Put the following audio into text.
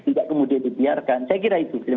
tidak kemudian dibiarkan saya kira itu terima kasih